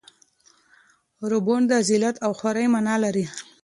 زبون د ذلت او خوارۍ مانا لري.